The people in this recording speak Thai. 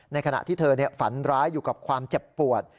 ขณะที่เธอฝันร้ายอยู่กับความเจ็บปวด